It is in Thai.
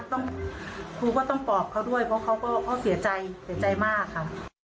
ครูก็ต้องปลอบเขาด้วยเพราะเขาก็เสียใจเสียใจมากค่ะ